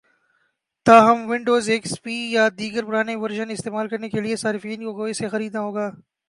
تاہم Windows, X P یا دیگر پرانے ورژن استعمال کرنے والے صارفین کو اسے خریدنا ہوگا